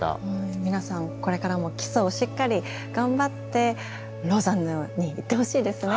皆さんこれからも基礎をしっかり頑張ってローザンヌに行ってほしいですね。